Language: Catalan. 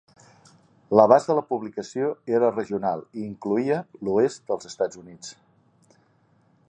L'abast de la publicació era regional i incloïa l'oest dels Estats Units.